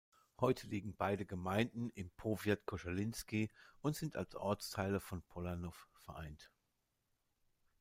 Heute liegen beide Gemeinden im Powiat Koszaliński und sind als Ortsteile von Polanów vereint.